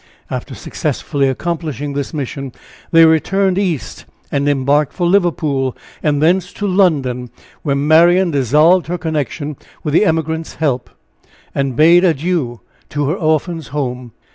After successfully accomplishing this mission, they returned East, and embarked for Liverpool, and thence to London, where Marian dissolved her connection with the "Emigrants' Help," and bade adieu to her "Orphans' Home."